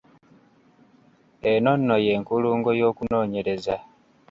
Eno nno y’enkulungo y’okunoonyereza.